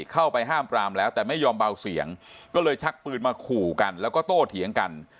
เข้าไปห้ามปรามแล้วแต่ไม่ยอมเบาเสียงก็เลยชักปืนมาขู่กันแล้วก็โต้เถียงกัน